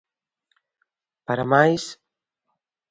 Para máis,.